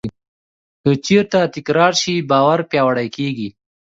که تجربه تکرار شي، باور پیاوړی کېږي.